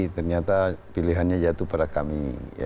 ternyata pilihannya jatuh pada kami